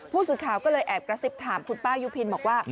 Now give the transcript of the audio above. ผู้สื่อข่าวก็เลยแอบกระซิบถามคุณป้ายุพินบอกว่า